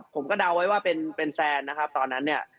เดาไว้ว่าเป็นแฟนนะครับตอนนั้นเนี่ย